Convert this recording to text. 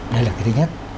đây là cái thứ nhất